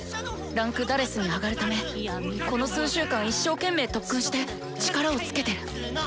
位階「４」に上がるためこの数週間一生懸命特訓して力をつけてる！